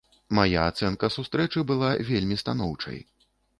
Мая ацэнка сустрэчы была вельмі станоўчай.